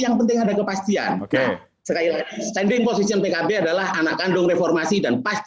yang penting ada kepastian standing position pkb adalah anak kandung reformasi dan pasti